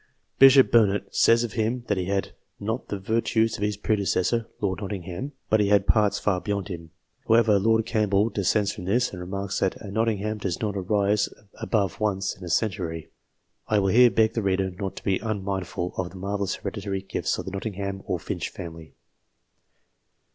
Bishop Burnet says of him that he had not the virtues of his predecessor (Lord Nottingham), but he had parts far beyond him. However, Lord Campbell dissents from this, and remarks that " a Nottingham does not arise above once in a century." (I will here beg the reader not to be unmindful of the marvellous hereditary gifts of the Nottingham or Finch family.)